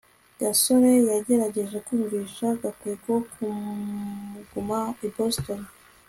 gasore yagerageje kumvisha gakwego kuguma i boston